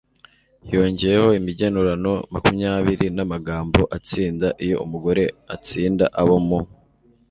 yongeyeho imigenurano makumyabiri n'amagambo atsinda iyo umugore atsinda abo mu